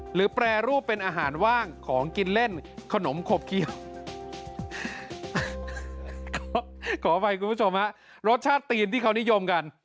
แปรรูปเป็นอาหารว่างของกินเล่นขนมขบเกี่ยวขออภัยคุณผู้ชมฮะรสชาติตีนที่เขานิยมกัน